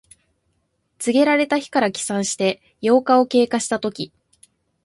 告げられた日から起算して八日を経過したとき。